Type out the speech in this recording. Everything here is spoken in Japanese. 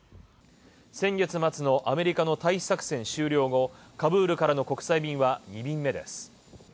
先月末のアメリカの退避作戦終了後カブールからの国際便は２便目です。